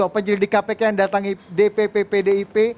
penyelidik kpk yang datangi dpp pdip